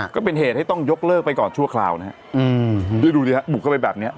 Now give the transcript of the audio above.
ก็เป็นเหตุให้ต้องยกเลิกไปก่อนชั่วคราวนะฮะดูดิครับบุกเข้าไปแบบนี้